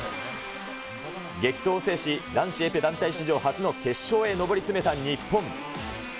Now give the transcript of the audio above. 激闘を制し、男子エペ団体史上初の決勝へ上りつめた日本。